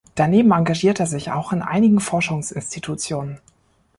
Daneben engagiert er sich auch in einigen Forschungsinstitutionen.